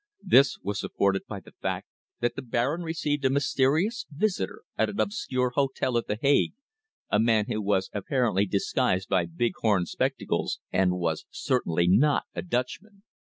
This was supported by the fact that the Baron received a mysterious visitor at an obscure hotel at The Hague, a man who was apparently disguised by big horn spectacles, and was certainly not a Dutchman.